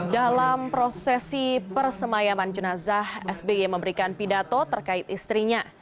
dalam prosesi persemayaman jenazah sby memberikan pidato terkait istrinya